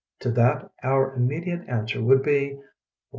To that our immediate an swer would be, "WeU?"